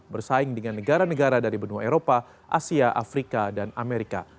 bersaing dengan negara negara dari benua eropa asia afrika dan amerika